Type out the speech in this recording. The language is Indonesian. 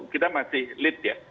kita masih lead ya